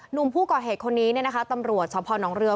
หนุ่มผู้ก่อเหตุคนนี้ตำรวจสนเรือ